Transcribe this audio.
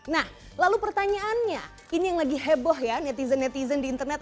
nah lalu pertanyaannya ini yang lagi heboh ya netizen netizen di internet